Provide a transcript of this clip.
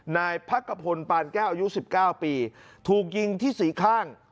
นายพระกะพลปานแก้อายุสิบเก้าปีถูกยิงที่สี่ข้าง